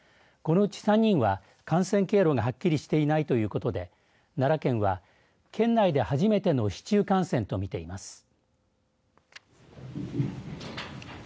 このうち３人は感染経路がはっきりしていないということで奈良県は、県内で初めての市中感染とみています。